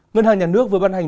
ngân hàng nhà nước vừa ban hành